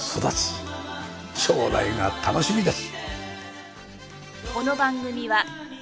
将来が楽しみです！